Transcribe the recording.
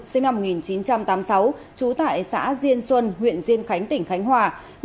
sinh năm một nghìn chín trăm tám mươi sáu trú tại xã diên xuân huyện diên khánh tỉnh khánh hòa